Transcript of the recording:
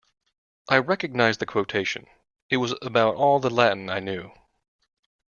I recognised the quotation: it was about all the Latin I knew.